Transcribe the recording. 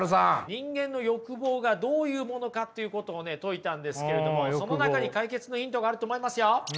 人間の欲望がどういうものかっていうことを説いたんですけれどもその中に解決のヒントがあると思いますよ。